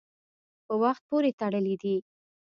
په وخت پورې تړلي دي.